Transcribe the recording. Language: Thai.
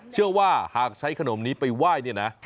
เชื่อว่าหากใช้ขนมนี้ไปไหว้เนี่ยนะ